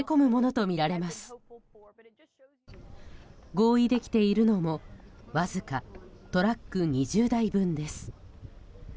合意できているのもわずかトラック２０台分です。